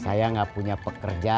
saya gak punya pekerja